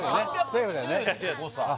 セーフだよね